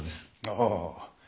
ああ。